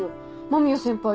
間宮先輩